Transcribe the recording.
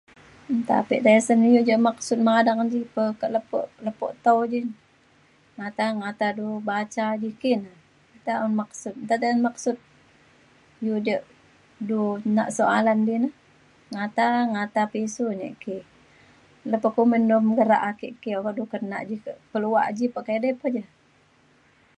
nta pik tesen iu jak maksud madang ji pe ke lepo lepo tau ji. ngata ngata dau baca ji ki ne, taun maksud. nta tasen maksud iu ja du nak soalan ji ne ngata ngata pisu nik ki lepe kumin do em gerak ake ki oka du nak kenak ji ke peluak ji bekedai peja